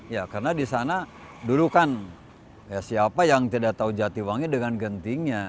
ya karena di sana dulu kan siapa yang tidak tahu jatiwangi dengan gentingnya